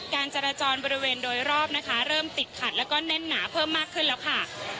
การจราจรบริเวณโดยรอบนะคะเริ่มติดขัดแล้วก็แน่นหนาเพิ่มมากขึ้นแล้วค่ะ